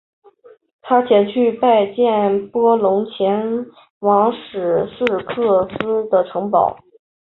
他前去拜见波隆前往史铎克渥斯城堡。